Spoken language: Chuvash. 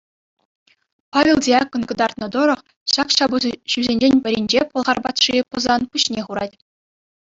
Павел Диакон кӑтартнӑ тӑрӑх ҫак ҫапӑҫусенчен пӗринче пӑлхар патши Пӑсан пуҫне хурать.